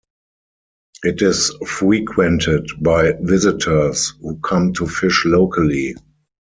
It is frequented by visitors who come to fish locally.